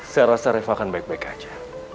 saya rasa reva akan baik baik aja